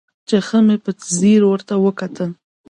چې ښه مې په ځير ورته وکتل.